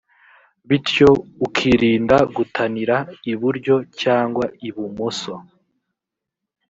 bityo ukirinda gutanira iburyo cyangwa ibumoso